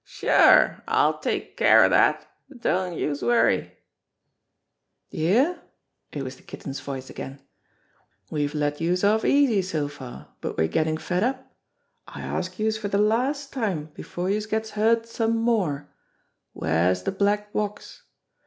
"Sure ! I'll take care of dat ! Don't youse worry !" "D'ye hear?" It was the Kitten's voice again. "We've let youse off easy so far, but we're gettin' fed up. I ask youse for de last time before youse gets hurt some more, where's de black box